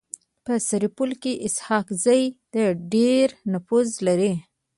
په سرپل کي اسحق زي د ډير نفوذ لري.